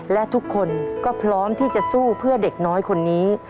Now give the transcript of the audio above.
และทุกคนก็พร้อมที่จะสู้เพื่อเด็กน้อยคนนี้